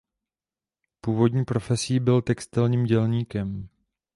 Původní profesí byl textilním dělníkem.